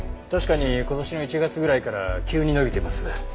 確かに今年の１月ぐらいから急に伸びています。